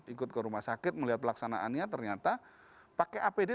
ikut ke rumah sakit melihat pelaksanaannya ternyata pakai apd